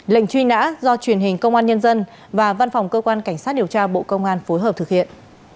lệnh truy nã do truyền hình công an nhân dân và văn phòng cơ quan cảnh sát điều tra bộ công an phối hợp thực hiện